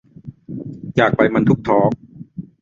อยากไปมันทุกทอล์ก